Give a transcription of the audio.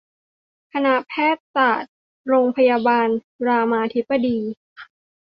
คณะแพทยศาสตร์โรงพยาบาลรามาธิบดี